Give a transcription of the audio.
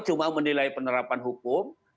cuma menilai penerapan hukumnya